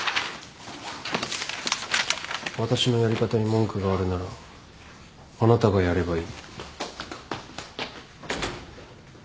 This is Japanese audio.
私のやり方に文句があるならあなたがやればいい。